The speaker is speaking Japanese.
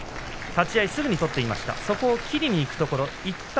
立ち合い、すぐに取っていました